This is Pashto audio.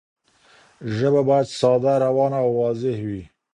ژبه باید ساده، روانه او واضح وي.